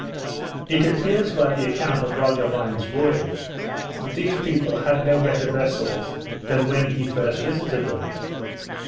It appears by the account of Roggewein's voyage, that these people had no better vessels than when he first visited them.